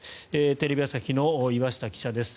テレビ朝日の岩下記者です。